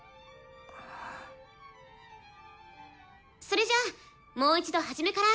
それじゃあもう一度はじめから。